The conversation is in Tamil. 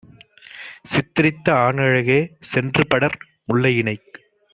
சித்தரித்த ஆணழகே, சென்றுபடர் முல்லையினைக்